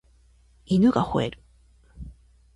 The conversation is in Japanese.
犬が吠える